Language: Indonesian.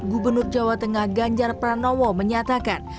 gubernur jawa tengah ganjar pranowo menyatakan